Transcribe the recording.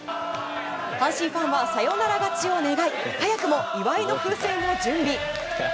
阪神ファンはサヨナラ勝ちを狙い早くも祝いの風船を準備。